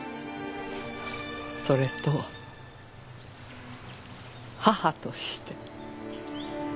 それと母として。